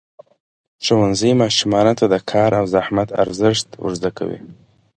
ښوونځی ماشومانو ته د کار او زحمت ارزښت ورزده کوي.